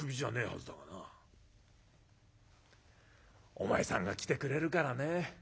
『お前さんが来てくれるからね